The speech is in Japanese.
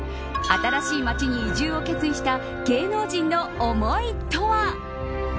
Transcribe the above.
新しい街に移住を決意した芸能人の思いとは？